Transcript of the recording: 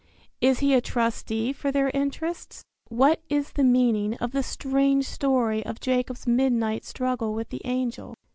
Is he a trustee for their interests? What is the meaning of the strange story of Jacob's midnight struggle with the angel?